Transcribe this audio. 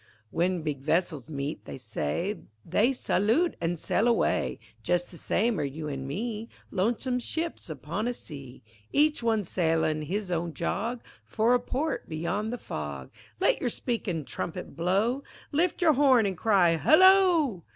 W'en big vessels meet, they say, They saloot an' sail away. Jest the same are you an' me, Lonesome ships upon a sea; Each one sailing his own jog For a port beyond the fog. Let your speakin' trumpet blow, Lift your horn an' cry "hullo!"